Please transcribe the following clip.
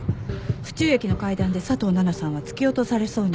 府中駅の階段で佐藤奈々さんは突き落とされそうになった。